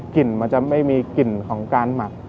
กลิ่นมันจะไม่มีกลิ่นของการหมัก